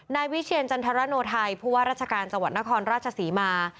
นายวิเชียรจันทรโนไทยผู้ว่าราชการจังหวัดนครราชศรีมา